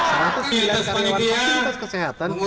satu ratus sembilan karyawan aktivitas kesehatan